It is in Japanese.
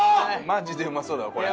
マジでうまそうだわこれ。